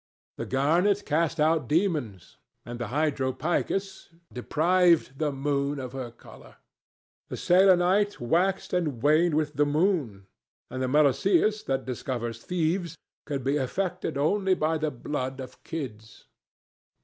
The garnet cast out demons, and the hydropicus deprived the moon of her colour. The selenite waxed and waned with the moon, and the meloceus, that discovers thieves, could be affected only by the blood of kids.